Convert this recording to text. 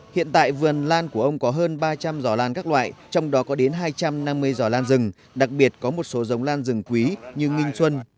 hiện tại vườn lan của ông có hơn ba trăm linh giỏ lan các loại trong đó có đến hai trăm năm mươi giỏ lan rừng đặc biệt có một số giống lan rừng quý như nghinh xuân